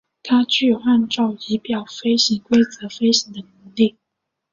它具有按照仪表飞行规则飞行的能力。